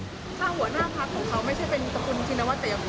ถ้าหัวหน้าพักของเขาไม่ใช่เป็นประพุทธินวัติ